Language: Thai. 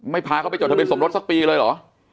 พาเขาไปจดทะเบียสมรสสักปีเลยเหรอ